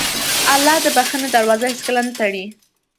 الله د بښنې دروازه هېڅکله نه تړي.